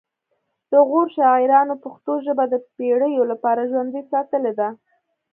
د غور شاعرانو پښتو ژبه د پیړیو لپاره ژوندۍ ساتلې ده